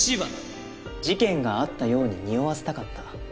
事件があったようににおわせたかった。